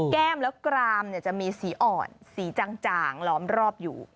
แก้มแล้วกรามจะมีสีอ่อนสีจ่างล้อมรอบอยู่